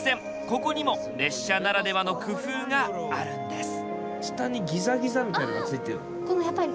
ここにも列車ならではの工夫があるんです。